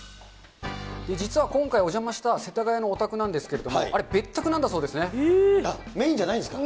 実は今回お邪魔した世田谷のお宅なんですけれども、あれ、別宅なメインじゃないんですか？